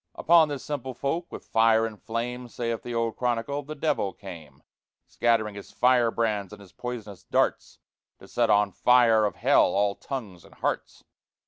Upon this simple folk "with fire and flame," Saith the old Chronicle, "the Devil came; Scattering his firebrands and his poisonous darts, To set on fire of Hell all tongues and hearts!